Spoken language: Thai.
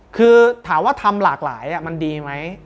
คือถามว่าทำหลากหลายมันดีไหม